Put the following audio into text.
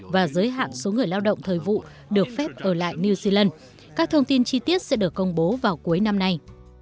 và giới hạn số người lao động thời vụ được phép ở lại new zealand các thông tin chi tiết sẽ được công bố vào cuối năm nay